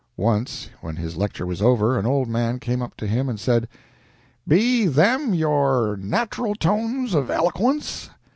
Once, when his lecture was over, an old man came up to him and said: "Be them your natural tones of eloquence?"